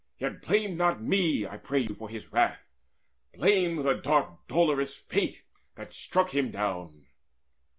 Yet blame not me, I pray you, for his wrath: Blame the dark dolorous Fate that struck him down.